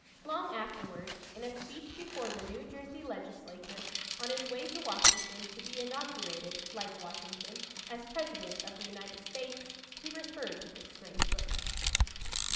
Long afterward, in a speech before the New Jersey Legislature, on his way to Washington to be inaugurated, like Washington, as President of the United States, he referred to this strange book.